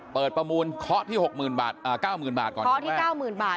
เปิดประมูลคล็อตที่๖หมื่นบาทอ่ะ๙หมื่นบาทก่อนที่แรก